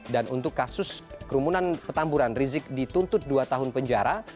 dan untuk kasus kerumunan petamburan rizik dituntut dua tahun penjara